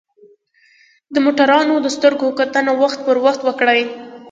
د موټروان د سترګو کتنه وخت پر وخت وکړئ.